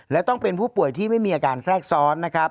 และต้องเป็นผู้ป่วยที่ไม่มีอาการแทรกซ้อนนะครับ